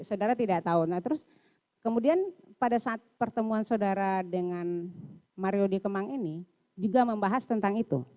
saudara tidak tahu nah terus kemudian pada saat pertemuan saudara dengan mario di kemang ini juga membahas tentang itu